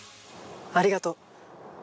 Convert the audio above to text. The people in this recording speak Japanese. ありがとう！